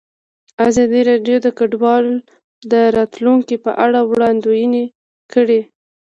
ازادي راډیو د کډوال د راتلونکې په اړه وړاندوینې کړې.